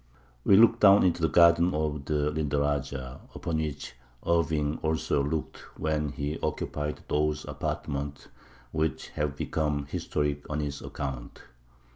We look down into the garden of the Lindaraja, upon which Irving also looked when he occupied those apartments which have become historic on his account.